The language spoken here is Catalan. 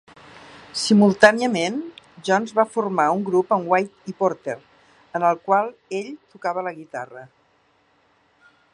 Simultàniament, Jones va formar un grup amb White i Porter en el qual ell tocava la guitarra.